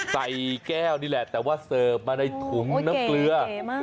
ใส่แก้วนี่แหละแต่ว่าเสิร์ฟมาในถุงน้ำเกลือ